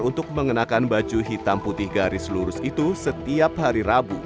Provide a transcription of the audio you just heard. untuk mengenakan baju hitam putih garis lurus itu setiap hari rabu